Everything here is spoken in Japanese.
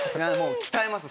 鍛えます